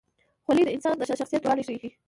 خولۍ د انسان د شخصیت دروندوالی ښيي.